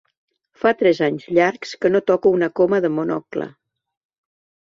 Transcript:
Fa tres anys llargs que no toco una coma de Monocle.